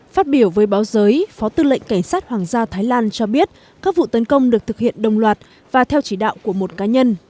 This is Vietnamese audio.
phát biểu với báo giới phó tư lệnh cảnh sát hoàng gia thái lan cho biết các vụ tấn công được thực hiện đồng loạt và theo chỉ đạo của một cá nhân